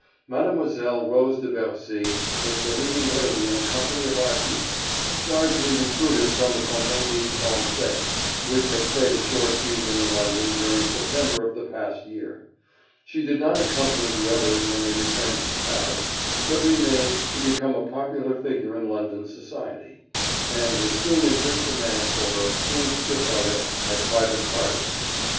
Mademoiselle Rose de Bercy was the leading lady in a company of artistes, largely recruited from the Comédie Française, which had played a short season in London during September of the past year. She did not accompany the others when they returned to Paris, but remained, to become a popular figure in London society, and was soon in great demand for her contes drôles at private parties.